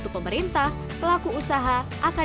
dengan membangun tempat pembuangan sampah akhir